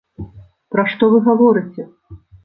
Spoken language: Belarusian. Пра што вы гаворыце!